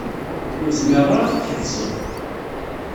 Ur tezmireḍ ara ad ɣ-tḥebseḍ.